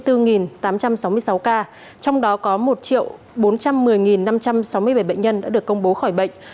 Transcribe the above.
trong đó có một bốn trăm một mươi năm trăm sáu mươi bảy bệnh nhân đã được công bố khỏi bệnh